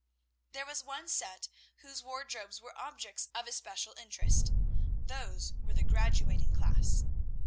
There was one set whose wardrobes were objects of especial interest: those were the graduating class.